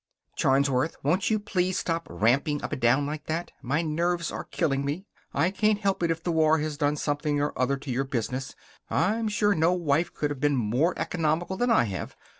"Charnsworth, won't you please stop ramping up and down like that! My nerves are killing me. I can't help it if the war has done something or other to your business. I'm sure no wife could have been more economical than I have.